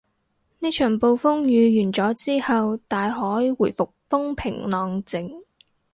呢場暴風雨完咗之後，大海回復風平浪靜